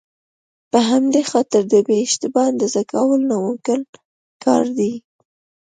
په همدې خاطر د بې اشتباه اندازه کول ناممکن کار دی.